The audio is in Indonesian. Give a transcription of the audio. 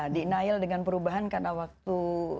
denial dengan perubahan karena waktu